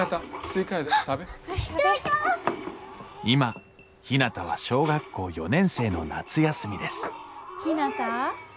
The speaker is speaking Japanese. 今ひなたは小学校４年生の夏休みですひなた。